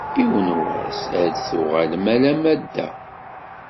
Yiwen n wass ad d-tuɣalem alamma d da.